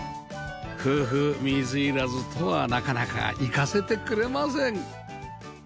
夫婦水入らずとはなかなかいかせてくれません